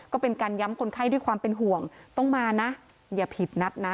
ก็เป็นการย้ำคนไข้ด้วยความเป็นห่วงต้องมานะอย่าผิดนัดนะ